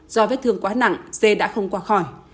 do vết thương quá nặng dê đã không qua khỏi